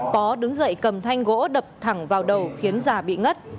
bó đứng dậy cầm thanh gỗ đập thẳng vào đầu khiến già bị ngất